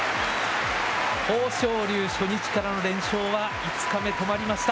豊昇龍、初日からの連勝は５日目、止まりました。